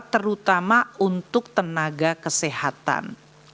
terutama untuk tenaga kesehatan